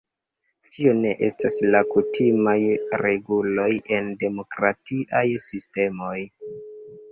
Tio ne estas la kutimaj reguloj en demokratiaj sistemoj.